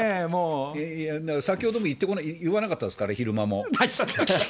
先ほどでも言わなかったですから、昼間も。